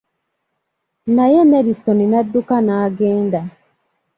Naye Nelisoni n'adduka n'agenda.